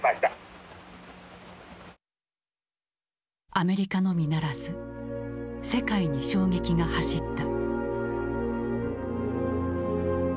アメリカのみならず世界に衝撃が走った。